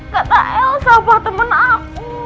kata elsa temen aku